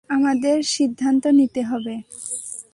আমাদের সিদ্ধান্ত নিতে হবে।